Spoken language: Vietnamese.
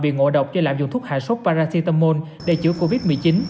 và bị ngộ độc do lạm dùng thuốc hạ sốt paracetamol để chữa covid một mươi chín